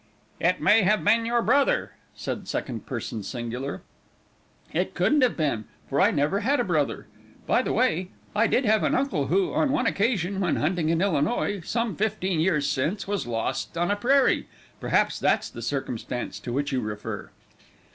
"It may have been your brother," said second person singular. "It couldn't have been, for I never had a brother. By the way, I did have an uncle who, on one occasion, when hunting in Illinois, some fifteen years since, was lost on a prairie. Perhaps it's that circumstance to which you refer?"